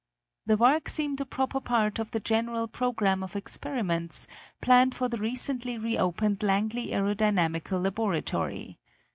The work seemed a proper part of the general program of experiments planned for the recently reopened Langley Aerodynamical Laboratory.